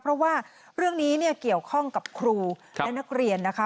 เพราะว่าเรื่องนี้เนี่ยเกี่ยวข้องกับครูและนักเรียนนะคะ